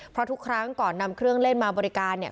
เพราะทุกครั้งก่อนนำเครื่องเล่นมาบริการเนี่ย